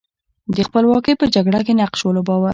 د خپلواکۍ په جګړه کې نقش ولوباوه.